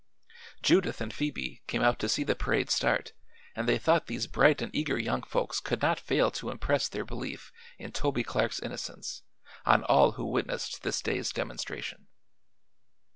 Judith and Phoebe came out to see the parade start and they thought these bright and eager young folks could not fail to impress their belief in Toby Clark's innocence on all who witnessed this day's demonstration.